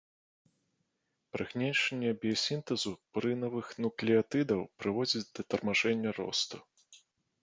Прыгнечанне біясінтэзу пурынавых нуклеатыдаў прыводзіць да тармажэння росту.